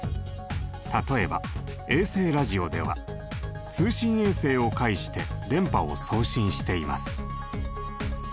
例えば衛星ラジオでは通信衛星を介して電波を送信しています。